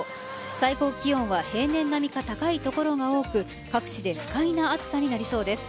最高気温は平年並みか高い所が多く各地で不快な暑さになりそうです。